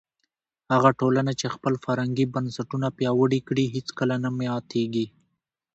هغه ټولنه چې خپل فرهنګي بنسټونه پیاوړي کړي هیڅکله نه ماتېږي.